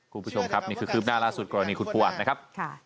คุณผู้ชมครับนี่คือคืบหน้าล่าสุดกรณีคุณปูอัดนะครับ